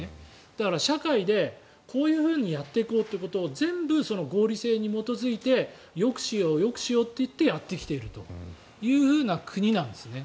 だから社会でこういうふうにやっていこうということを全部合理性に基づいてよくしよう、よくしようと言ってやってきている国なんですね。